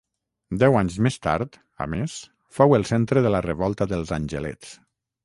Deu anys més tard, a més, fou el centre de la Revolta dels Angelets.